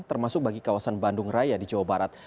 termasuk bagi kawasan bandung raya di jawa barat